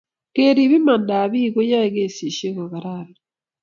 kerip imandaab biko che yae kasisheck ko kararan